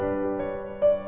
terima kasih yoko